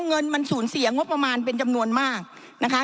เงินมันสูญเสียงบประมาณเป็นจำนวนมากนะคะ